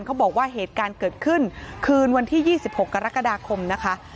เขาบอกว่าเหตุการณ์เกิดขึ้นคืนวันที่๒๖กรกฎาคมนะคะ